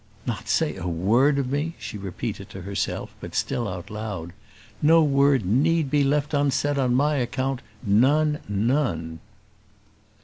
"Not say a word of me!" she repeated to herself, but still out loud. "No word need be left unsaid on my account; none, none."